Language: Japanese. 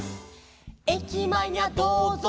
「えきまえにゃどうぞう」